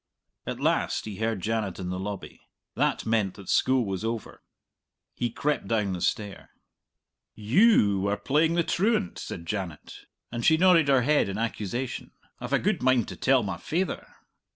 At last he heard Janet in the lobby. That meant that school was over. He crept down the stair. "You were playing the truant," said Janet, and she nodded her head in accusation. "I've a good mind to tell my faither."